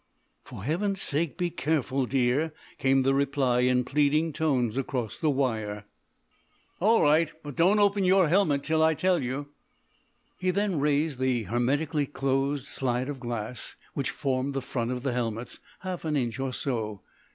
"For Heaven's sake be careful, dear," came the reply in pleading tones across the wire. "All right; but don't open your helmet till I tell you." He then raised the hermetically closed slide of glass, which formed the front of the helmets, half an inch or so.